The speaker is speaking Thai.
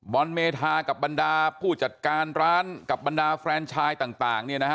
เมธากับบรรดาผู้จัดการร้านกับบรรดาแฟนชายต่างเนี่ยนะฮะ